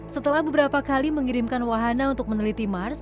setelah beberapa kali mengirimkan wahana untuk meneliti mars